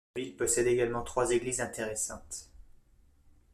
La ville possède également trois églises intéressantes.